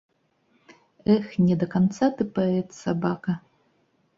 Эх, не да канца ты паэт, сабака!